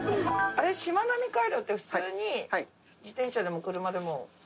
しまなみ海道って普通に自転車でも車でも。